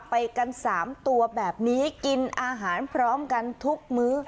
ไปกัน๓ตัวแบบนี้กินอาหารพร้อมกันทุกมื้อ